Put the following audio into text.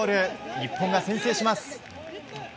日本が先制します。